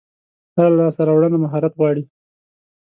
هره لاسته راوړنه مهارت غواړي.